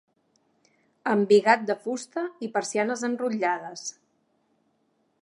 Embigat de fusta i persianes enrotllades.